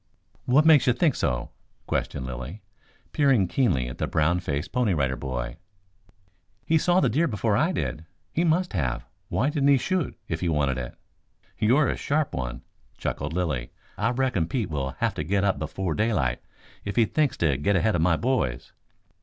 "What makes you think so?" questioned Lilly, peering keenly at the brown faced Pony Rider Boy. "He saw that deer before I did. He must have. Why didn't he shoot if he wanted it?" "You're a sharp one," chuckled Lilly. "I reckon Pete will have to get up before daylight if he thinks to get ahead of my boys."